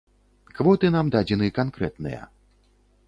Квоты нам дадзены канкрэтныя.